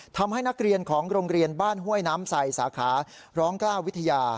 ทำให้นักเรียนของโรงเรียนบ้านห้วยน้ำใสสาขาร้องกล้าวิทยา